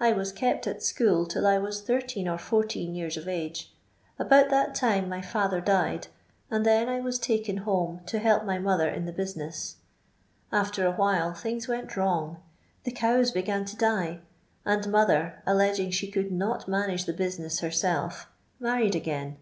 I was kept at school till I was thirteen or fourteen years of age; about that time my father died, and then I was taken home to help my mother in the business. Aftrr a while things went wrong ; the cows began to die, and mother, alleging she could not manage the business herself, married again.